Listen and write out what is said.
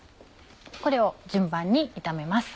これを順番に炒めます。